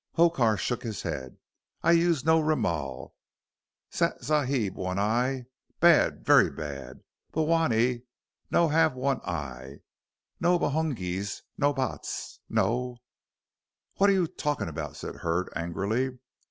Hokar shook his head. "I use no roomal. Zat Sahib one eye bad, ver bad. Bhowanee, no have one eye. No Bhungees, no Bhats, no " "What are you talking about?" said Hurd, angrily.